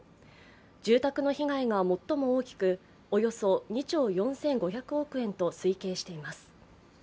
住宅の被害が最も大きくおよそ２兆４５００億円と推計しています。